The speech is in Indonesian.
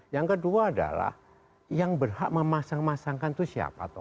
yang kedua adalah yang berhak memasang masangkan itu siapa